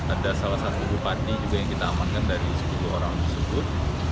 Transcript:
ada salah satu bupati juga yang kita amankan dari sepuluh orang tersebut